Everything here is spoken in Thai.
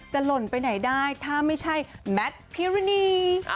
หล่นไปไหนได้ถ้าไม่ใช่แมทพิรณี